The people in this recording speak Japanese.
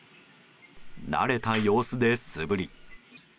慣れた様子で素振り。